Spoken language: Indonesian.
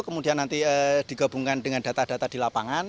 kemudian nanti digabungkan dengan data data di lapangan